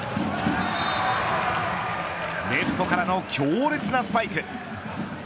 レフトからの強烈なスパイク。